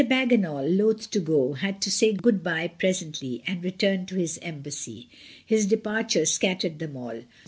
Bagginal, loth to go, had to say good bye presently, and return to his embassy. His de partiure scattered them all.